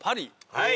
はい！